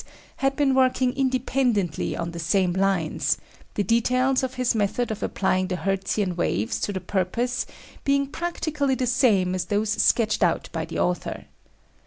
had been working independently on the same lines, the details of his method of applying the Hertzian waves to the purpose being practically the same as those sketched out by the author.